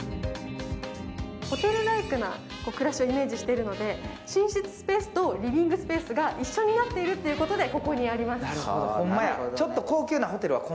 ホテルライクな暮らしをイメージしているので、寝室スペースとリビングスペースが一緒になっているということで、ここにあります。